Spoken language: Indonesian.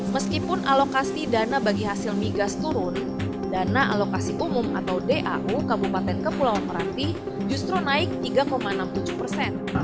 meskipun alokasi dana bagi hasil migas turun dana alokasi umum atau dau kabupaten kepulauan meranti justru naik tiga enam puluh tujuh persen